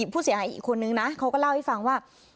ผู้เสียหายอีกคนนึงนะเขาก็เล่าให้ฟังว่า